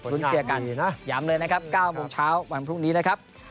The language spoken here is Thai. รุ้นเชียร์กันย้ำเลยนะครับ๙โมงเช้าวันพรุ่งนี้นะครับ